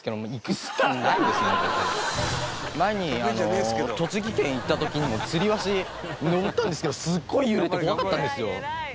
前に栃木県行った時にもつり橋上ったんですけどすっごい揺れて怖かったんですよ。